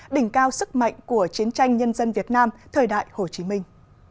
đỉnh cao sức mạnh của chiến tranh nhân dân việt nam thời đại hồ chí minh